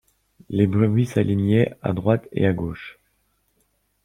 Les brebis s’alignaient à droite et à gauche.